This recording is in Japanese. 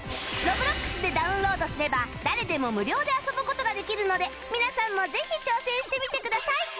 Ｒｏｂｌｏｘ でダウンロードすれば誰でも無料で遊ぶ事ができるので皆さんもぜひ挑戦してみてください